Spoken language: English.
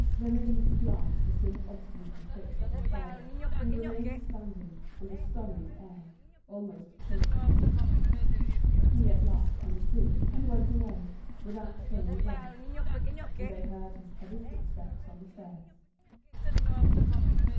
Geneviève's glance was still obstinately fixed on her father, who remained standing, with a stolid air, almost choking. He at last understood, and went away, without saying a word; and they heard his heavy footstep on the stairs.